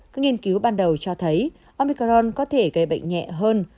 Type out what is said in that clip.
các nghiên cứu ban đầu cho thấy omicron có thể gây bệnh nhẹ hơn